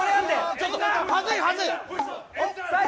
ちょっとはずいはずい！